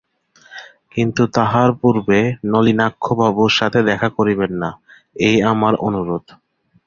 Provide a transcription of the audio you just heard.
কিন্তু তাহার পূর্বে নলিনাক্ষবাবুর সঙ্গে দেখা করিবেন না, এই আমার অনুরোধ।